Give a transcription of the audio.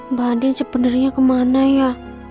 mbak andin sebenernya kemana ya